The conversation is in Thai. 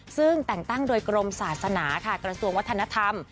ซึ่งแต่งตั้งโดยกรมศาสนาค่ะกระทรวงวัฒนธรรม